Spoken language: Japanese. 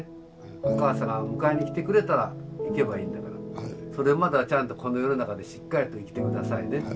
お母さんが迎えに来てくれたら逝けばいいんだからそれまでちゃんとこの世の中でしっかりと生きて下さいね。